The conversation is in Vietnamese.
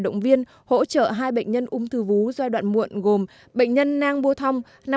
động viên hỗ trợ hai bệnh nhân ung thư vú giai đoạn muộn gồm bệnh nhân nang bua thong